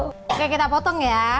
oke kita potong ya